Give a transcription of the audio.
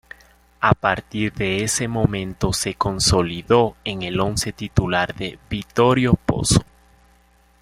A partir de ese momento se consolidó en el once titular de Vittorio Pozzo.